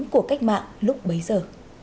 của cách mạng lúc bấy giờ